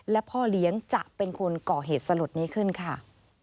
และพ่อเลี้ยงจะเป็นคนก่อเหตุสลดนี้ขึ้นค่ะ